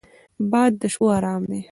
باد د شپو ارام دی